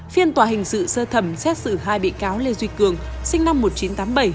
phiên tòa hình sự sơ thẩm xét xử hai bị cáo lê duy cường sinh năm một nghìn chín trăm tám mươi bảy